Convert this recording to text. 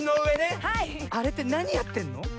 あれってなにやってんの？